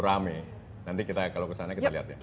rame nanti kalau kita kesana kita lihat ya